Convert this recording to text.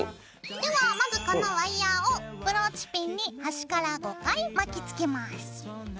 ではまずこのワイヤーをブローチピンに端から５回巻きつけます。